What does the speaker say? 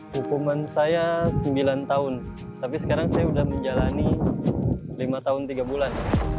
hukuman saya sembilan tahun tapi sekarang saya sudah menjalani lima tahun tiga bulan